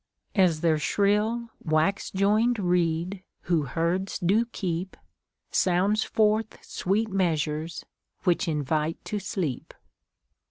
As their shrill wax joined reed who herds do keep Sounds forth sweet measures, which invite to sleep.